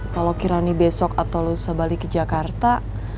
kalau kiranya besok atau lo sebalik ke jakarta